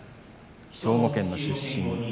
兵庫県の出身。